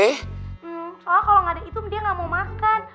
hmm soalnya kalau gak ada itu dia gak mau makan